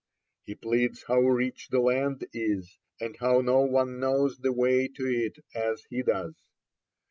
He pleads how rich the land is, and how no one knows the way to it as he does.